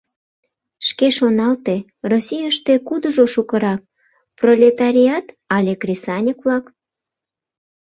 Шке шоналте: Российыште кудыжо шукырак, пролетариат але кресаньык-влак?